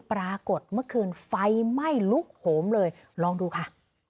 ปรากฏเมื่อคืนไฟไหม้ลุกโหมเลยลองดูค่ะ